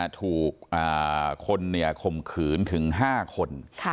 ถูกคนข่มขืนถึง๕คน